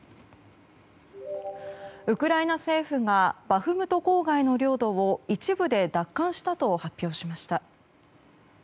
ウクライナ政府がバフムト郊外の領土を一部で奪還したと発表しました。